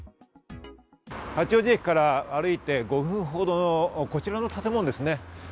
八王子駅から歩いて５分ほどのこちらの建物ですね。